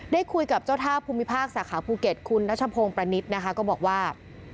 ได้คุยกับเจ้าท่าภูมิภาคสาขาภูเก็ตคุณนัชพงศ์ประนิษฐ์นะคะก็บอกว่า